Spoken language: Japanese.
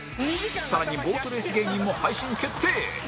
更にボートレース芸人も配信決定